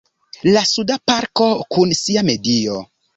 La Suda parko kun sia medio.